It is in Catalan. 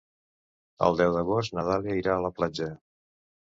El deu d'agost na Dàlia irà a la platja.